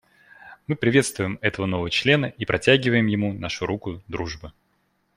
Мы приветствуем этого нового члена и протягиваем ему нашу руку дружбы.